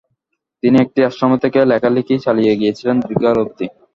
তিনি একটি আশ্রমে থেকে লেখালিখি চালিয়ে গিয়েছিলেন দীর্ঘকাল অবধি।